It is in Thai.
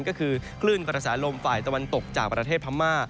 ก็คือคลื่นกระแสลมฝ่ายตะวันตกจากประเทศพม่า